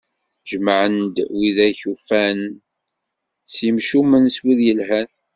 Jemɛen-d wid akk ufan, s yemcumen, s wid yelhan.